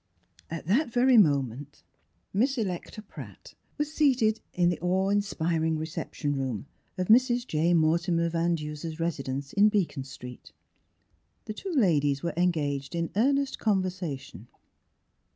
50 Miss Philura At that very moment Miss Electa Pratt was seated in the awe inspiring reception room of Mrs. J. Mortimer Van Deuser's residence in Beacon Street. The two ladies v/ere engaged in earnest conversa tion.